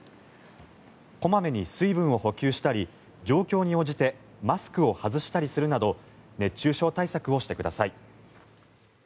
小まめに水分を補給したり状況に応じてマスクを外したりするなど熱中症対策をしてください。